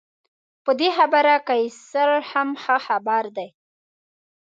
په دې خبره قیصر هم ښه خبر دی.